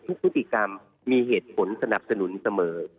พฤติกรรมมีเหตุผลสนับสนุนเสมอ